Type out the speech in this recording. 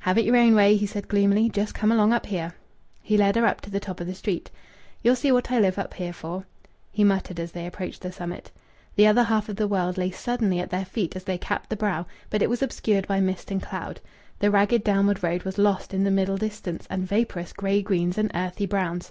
"Have it your own way!" he said gloomily. "Just come along up here." He led her up to the top of the street. "Ye'll see what I live up here for," he muttered as they approached the summit. The other half of the world lay suddenly at their feet as they capped the brow, but it was obscured by mist and cloud. The ragged downward road was lost in the middle distance amid vaporous grey greens and earthy browns.